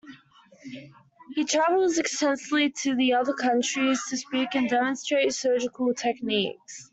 He travels extensively to other countries to speak and demonstrate surgical techniques.